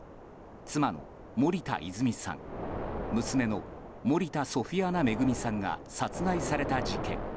妻の森田泉さん娘の森田ソフィアナ恵さんが殺害された事件。